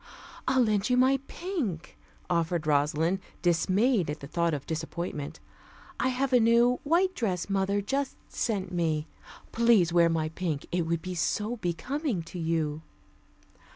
"I'll lend you my pink," offered Rosalind, dismayed at the thought of disappointment. "I have a new white dress mother just sent me. Please wear my pink. It would be so becoming to you."